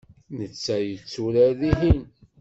Netta yetturar dihin.